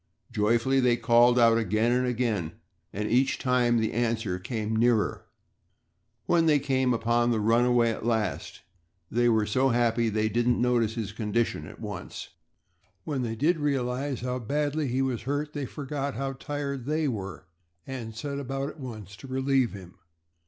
Joyfully, they called out again and again and each time the answer came nearer. When they came upon the runaway at last they were so happy that they didn't notice his condition at once. When they did realize how badly he was hurt, they forgot how tired they were and set about at once to relieve him.